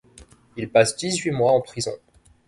Il passe dix-huit mois en prison.